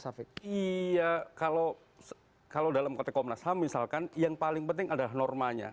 shafiq iya kalau kalau dalam kode komnas ham misalkan yang paling penting adalah normanya